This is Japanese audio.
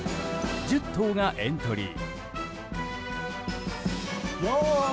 １０頭がエントリー。